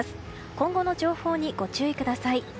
今後の情報にご注意ください。